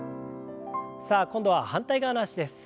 さあ今度は反対側の脚です。